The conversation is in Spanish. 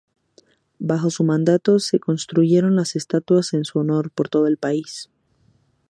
Bajo su mandato se construyeron las estatuas en su honor por todo el país.